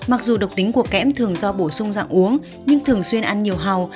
mặc dù độc tính của kẽm thường do bổ sung dạng uống nhưng thường xuyên ăn nhiều hầu